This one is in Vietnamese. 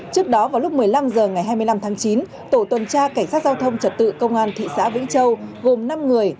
trước đó vào lúc một mươi năm h ngày hai mươi năm tháng chín tổ tuần tra cảnh sát giao thông trật tự công an thị xã vĩnh châu gồm năm người